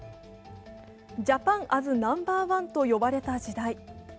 「ジャパン・アズ・ナンバーワン」と呼ばれた時代。